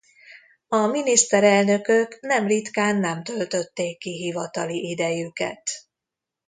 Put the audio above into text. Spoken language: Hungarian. A miniszterelnökök nem ritkán nem töltötték ki hivatali idejüket.